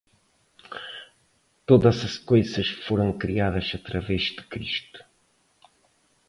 Todas as coisas foram criadas através de Cristo